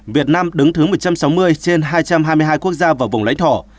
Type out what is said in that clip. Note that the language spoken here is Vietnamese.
việt nam đứng thứ một trăm sáu mươi trên hai trăm hai mươi hai quốc gia và vùng lãnh thổ